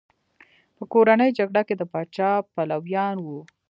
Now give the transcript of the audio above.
په کورنۍ جګړه کې د پاچا پلویان وو.